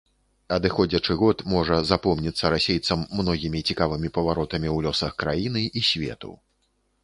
Адыходзячы год можа запомніцца расейцам многімі цікавымі паваротамі ў лёсах краіны і свету.